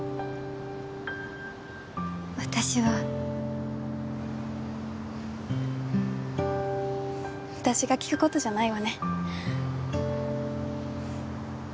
私は私が聞くことじゃないわね